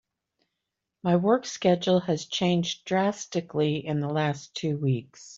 My work schedule has changed drastically in the last two weeks.